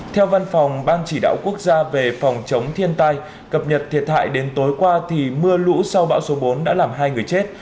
theo văn phòng ban chỉ đạo quốc gia về phòng chống thiên tai cập nhật thiệt hại đến tối qua thì mưa lũ sau bão số bốn đã làm hai người chết